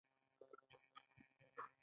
دا دندې د تشکیل په اساس سپارل کیږي.